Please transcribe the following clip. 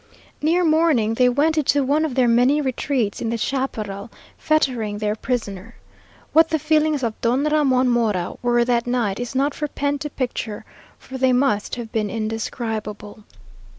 Near morning they went into one of their many retreats in the chaparral, fettering their prisoner. What the feelings of Don Ramon Mora were that night is not for pen to picture, for they must have been indescribable.